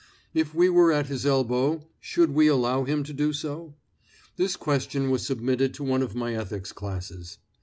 If we were at his elbow should we allow him to do so? This question was submitted to one of my Ethics classes.